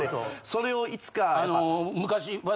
それをいつか。